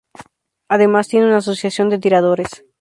Además tiene una asociación de tiradores.